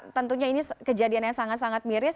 tentunya ini kejadian yang sangat sangat miris